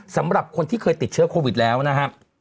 สำหรับคนที่เคยติดเชื้อโควิดแล้วนะครับ